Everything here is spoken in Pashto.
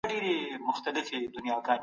ګاونډیانو به د رایې ورکولو حق تضمین کوی.